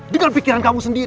dengan pikiran kamu sendiri